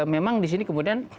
memang di sini kemudian